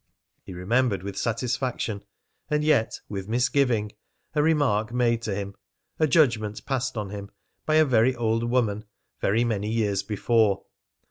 He remembered with satisfaction, and yet with misgiving, a remark made to him, a judgment passed on him, by a very old woman very many years before.